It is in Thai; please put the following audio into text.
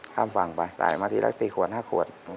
ข้ามฝั่งไปสายมาทีละ๔ขวด๕ขวด